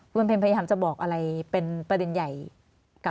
คุณวันเพลินพยายามจะบอกอะไรเป็นประเด็นใหญ่กับเรา